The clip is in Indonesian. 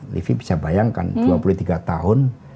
livi bisa bayangkan dua puluh tiga tahun